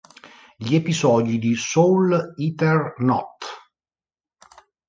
Gli episodi di "Soul Eater Not!